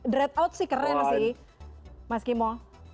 dread out sih keren sih mas kimo